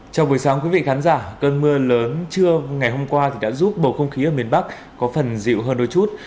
trong buổi sáng quý vị khán giả cơn mưa lớn trưa ngày hôm qua đã giúp bầu không khí ở miền bắc có phần dịu hơn đôi chút